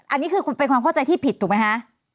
อันนี้คือเป็นความเข้าใจที่ผิดถูกไหมคะ